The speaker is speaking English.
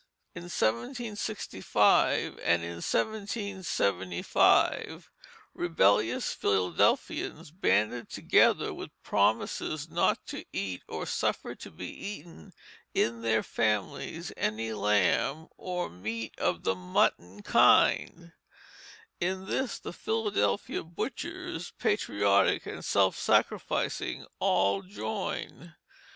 In 1765 and in 1775 rebellious Philadelphians banded together with promises not to eat or suffer to be eaten in their families any lamb or "meat of the mutton kind"; in this the Philadelphia butchers, patriotic and self sacrificing, all joined.